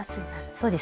そうですね。